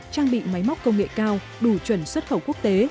trang bị máy móc công nghệ cao đủ chuẩn xuất khẩu quốc tế